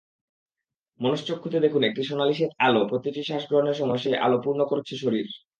মনশ্চক্ষুতে দেখুন একটি সোনালি-শ্বেত আলো, প্রতিটি শ্বাসগ্রহণের সময় সেই আলো পূর্ণ করছে শরীর।